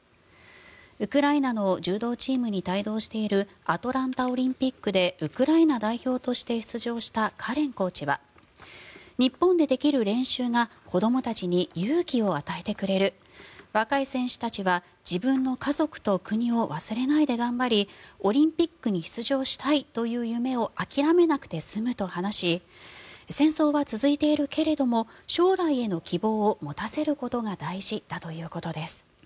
ウクライナの柔道チームに帯同しているアトランタオリンピックでウクライナ代表として出場したカレンコーチは日本でできる練習が子どもたちに勇気を与えてくれる若い選手たちは自分の家族と国を忘れないで頑張りオリンピックに出場したいという夢を諦めなくて済むと話し戦争は続いているけれども将来への希望を持たせることが大事だということです。